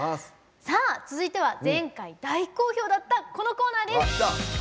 続いては前回大好評だったこのコーナーです。